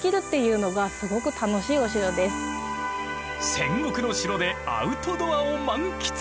戦国の城でアウトドアを満喫。